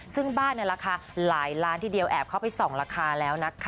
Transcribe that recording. ซึ่งบ้านในราคาหลายล้านทีเดียวแอบเข้าไปส่องราคาแล้วนะคะ